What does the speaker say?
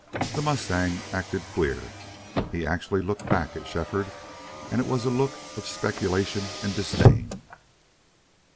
The mustang acted queer. He actually looked back at Shefford, and it was a look of speculation and disdain.